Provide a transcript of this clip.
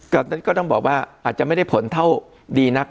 ก็ก็ต้องบอกว่าอาจจะไม่ได้ผลเท่าดีนัก